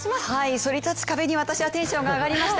そり立つ壁に私はテンションが上がりました。